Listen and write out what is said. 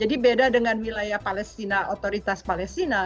jadi beda dengan wilayah palestina otoritas palestina